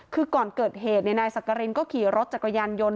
คือก่อนเกิดเหตุนายสักกรินก็ขี่รถจักรยานยนต์